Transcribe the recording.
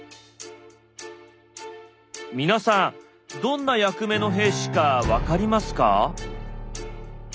皆さんどんな役目の兵士か分かりますか？